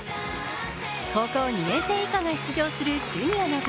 高校２年生以下が出場するジュニアの部。